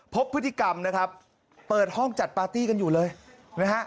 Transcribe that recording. พบพฤติกรรมนะครับเปิดห้องจัดปาร์ตี้กันอยู่เลยนะฮะ